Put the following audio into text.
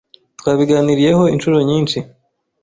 Twabiganiriyeho inshuro nyinshi.